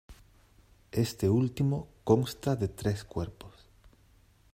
Este último consta de tres cuerpos.